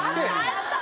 やった！